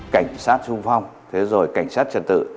cảnh sát trung phong thế rồi cảnh sát trật tự